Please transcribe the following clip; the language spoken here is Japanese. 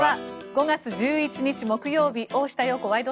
５月１１日、木曜日「大下容子ワイド！